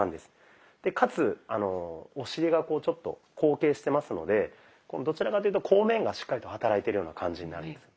でかつお尻がちょっと後傾してますのでどちらというと後面がしっかりと働いてるような感じになります。